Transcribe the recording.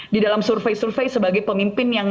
di dalam survei survei sebagai pemimpin yang